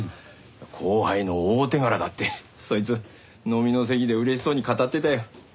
後輩の大手柄だってそいつ飲みの席で嬉しそうに語ってたよ。